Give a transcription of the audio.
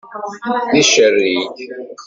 D icerrig!